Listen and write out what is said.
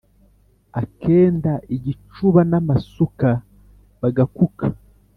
akenda igicúba n ámasúka bagakuka